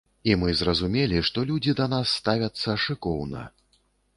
І мы зразумелі, што людзі да нас ставяцца шыкоўна.